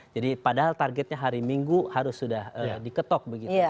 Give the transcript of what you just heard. jadi padahal targetnya hari minggu harus sudah diketok